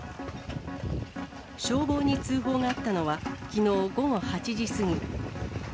消防に通報があったのは、きのう午後８時過ぎ。